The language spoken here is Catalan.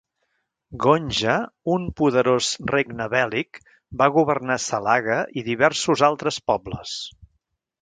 Gonja, un poderós regne bèl·lic, va governar Salaga i diversos altres pobles.